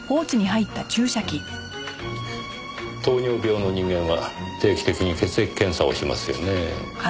糖尿病の人間は定期的に血液検査をしますよねぇ。